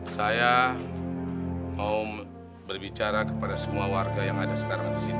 saya mau berbicara kepada semua warga yang ada sekarang di sini